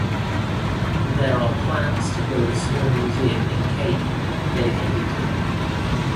There are plans to build a small museum in Cayey dedicated to him.